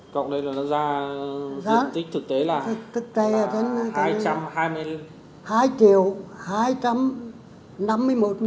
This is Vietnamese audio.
cộng lên là nó ra diện tích thực tế là hai triệu hai trăm năm mươi một ba trăm sáu mươi tám m hai